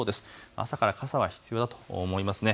朝から傘が必要だと思いますね。